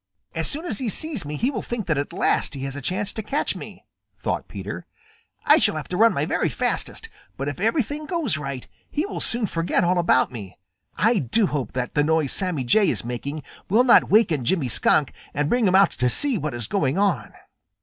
"As soon as he sees me he will think that at last he has a chance to catch me," thought Peter. "I shall have to run my very fastest, but if everything goes right, he will soon forget all about me. I do hope that the noise Sammy Jay is making will not waken Jimmy Skunk and bring him out to see what is going on."